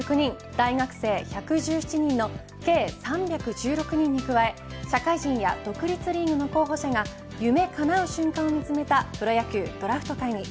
大学生１７７人の計３１６人に加え社会人や独立リーグの候補者が夢かなう瞬間を見つめたプロ野球ドラフト会議。